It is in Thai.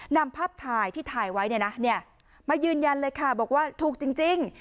นำภาพถ่ายที่ถ่ายไว้เนี่ยนะมายืนยันเลยค่ะบอกว่าถูกจริง